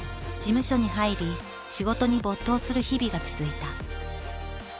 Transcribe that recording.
事務所に入り仕事に没頭する日々が続いた。